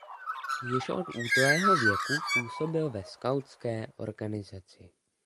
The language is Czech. Již od útlého věku působil ve skautské organizaci.